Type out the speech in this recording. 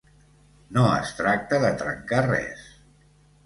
No es tracta de trencar res.